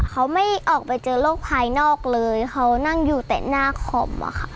เขาไม่ออกไปเจอโรคภายนอกเลยเขานั่งอยู่แต่หน้าคอมอะค่ะ